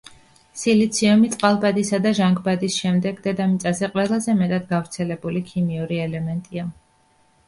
სილიციუმი წყალბადისა და ჟანგბადის შემდეგ, დედამიწაზე ყველაზე მეტად გავრცელებული ქიმიური ელემენტია.